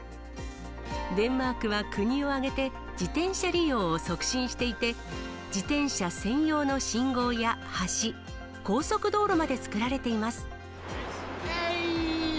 デンマークは国を挙げて自転車利用を促進していて、自転車専用の信号や橋、高速道路まで造られています。